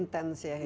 intensi ya ini